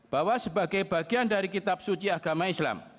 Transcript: bahwa sebagai bagian dari kitab suci agama islam